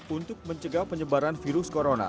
untuk mencegah penyebaran virus corona